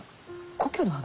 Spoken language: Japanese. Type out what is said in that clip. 故郷の話？